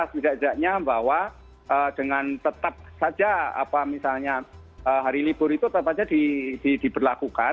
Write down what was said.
setidaknya bahwa dengan tetap saja misalnya hari libur itu tetap saja diberlakukan